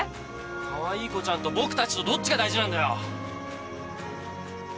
かわい子ちゃんと僕たちとどっちが大事なんだよ。